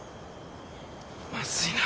まずいな。